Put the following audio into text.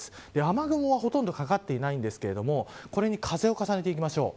雨雲は、ほとんどかかっていないんですがこれに風を重ねていきましょう。